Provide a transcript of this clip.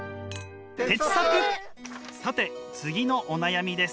さて次のお悩みです。